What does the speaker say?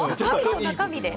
中身で。